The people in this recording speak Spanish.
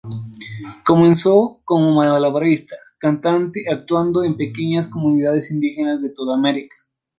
Comenzó como malabarista y cantante, actuando en pequeñas comunidades indígenas de toda África.